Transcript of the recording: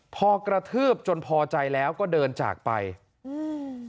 พอกระทืบจนพอใจแล้วก็เดินจากไปอืม